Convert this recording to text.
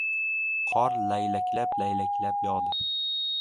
Qor laylaklab-laylaklab yog‘di.